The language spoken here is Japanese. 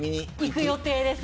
行く予定です。